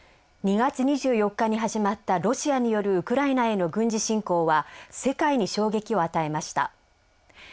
２月２４日に始まったロシアによるウクライナへの軍事侵攻は世界に衝撃を与えました。